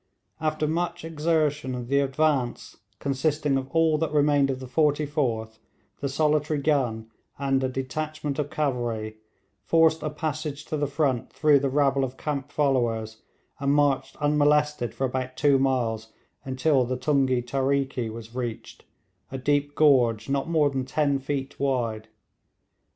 After much exertion the advance, consisting of all that remained of the 44th, the solitary gun, and a detachment of cavalry, forced a passage to the front through the rabble of camp followers, and marched unmolested for about two miles until the Tunghee Tariki was reached, a deep gorge not more than ten feet wide.